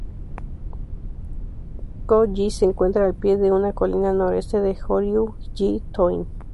Hōki-ji se encuentra al pie de una colina al noreste de Hōryū-ji Tō-in.